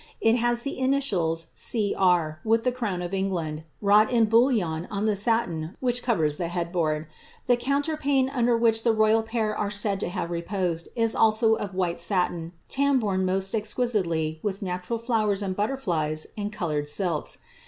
It has the initials G. R., with the crown ^ England, wrought all ion on the satin that covers the head board* The counterpane ft which the royal pair are said to have reposed, is also of white If tamboured most exquisitely with natural flowers and butterflies in ured silks.